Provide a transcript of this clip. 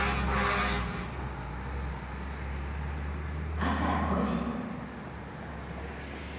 朝５時。